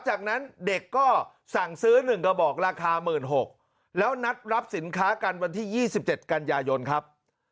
จากนั้นเด็กก็สั่งซื้อ๑กระบอกราคา๑๖๐๐แล้วนัดรับสินค้ากันวันที่๒๗กันยายนครับ